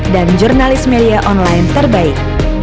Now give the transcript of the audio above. dan jurnalis media online terbaik